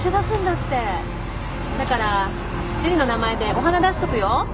だからジュニの名前でお花出しとくよ。